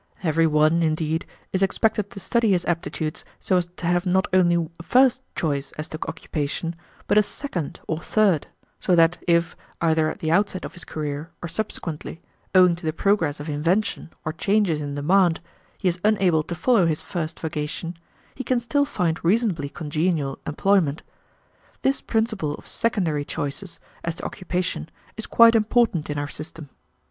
Every one, indeed, is expected to study his aptitudes so as to have not only a first choice as to occupation, but a second or third, so that if, either at the outset of his career or subsequently, owing to the progress of invention or changes in demand, he is unable to follow his first vocation, he can still find reasonably congenial employment. This principle of secondary choices as to occupation is quite important in our system.